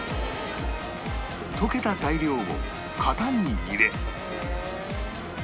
溶けた材料を型に入れ